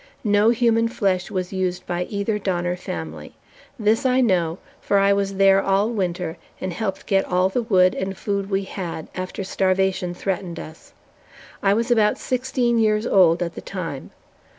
No human flesh was used by either Donner family. This I know, for I was there all winter and helped get all the wood and food we had, after starvation threatened us. I was about sixteen years old at the time.